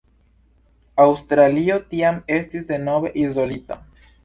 Aŭstralio tiam estis denove izolita.